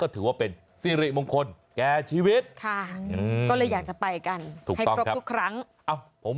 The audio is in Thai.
ถือว่าเป็นสิริมงคลแก่ชีวิตค่ะก็เลยอยากจะไปกันถูกให้ครบทุกครั้ง